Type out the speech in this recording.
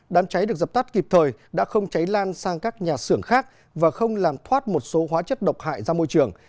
đám cháy được dập tắt kịp thời đã không cháy lan sang các nhà xưởng khác và không làm thoát một số hóa chất độc hại ra môi trường